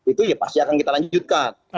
itu ya pasti akan kita lanjutkan